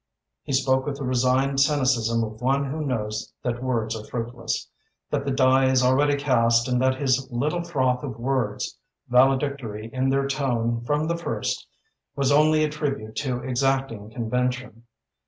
He spoke with the resigned cynicism of one who knows that words are fruitless, that the die is already cast and that his little froth of words, valedictory in their tone from the first, was only a tribute to exacting convention.